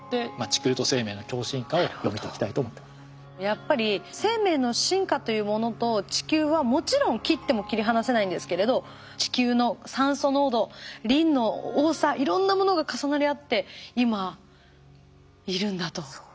やっぱり生命の進化というものと地球はもちろん切っても切り離せないんですけれど地球の酸素濃度リンの多さいろんなものが重なり合って今いるんだと。